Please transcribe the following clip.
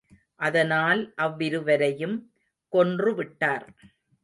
அதனால் அவ்விருவரையும் கொன்று விட்டார்.